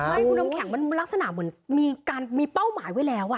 ไม่คุณน้ำแข็งมันลักษณะเหมือนมีการมีเป้าหมายไว้แล้ว